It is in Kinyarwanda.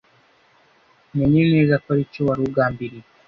menye neza ko ari cyo wari ugambiriye